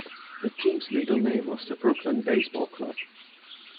The team's legal name was the Brooklyn Base Ball Club.